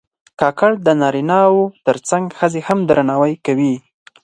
کاکړ د نارینه و تر څنګ ښځې هم درناوي کوي.